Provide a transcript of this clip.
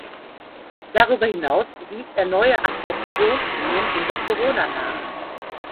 Darüber hinaus wies er neue Absorptionslinien in der Korona nach.